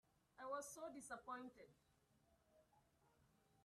I was so dissapointed.